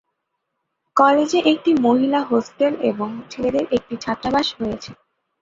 কলেজে একটি মহিলা হোস্টেল এবং ছেলেদের একটি ছাত্রাবাস রয়েছে।